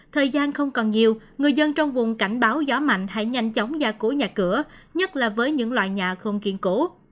thời gian không còn nhiều người dân trong vùng cảnh báo gió mạnh hãy nhanh chóng ra cổ nhà cửa nhất là với những loài nhà không kiện cổ